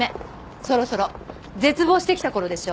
そろそろ絶望してきた頃でしょ